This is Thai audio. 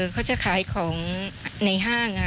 เขาจะขายของในห้าง